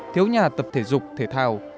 thiếu nhà tập thể dục thể thao